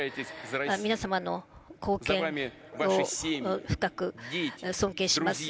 皆様の貢献を深く尊敬します。